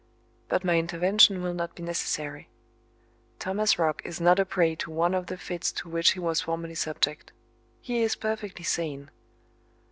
But my intervention will not be necessary. Thomas Roch is not a prey to one of the fits to which he was formerly subject. He is perfectly sane.